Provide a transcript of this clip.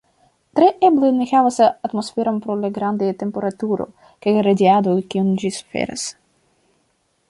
Tre eble ne havas atmosferon pro la grandaj temperaturo kaj radiado kiujn ĝi suferas.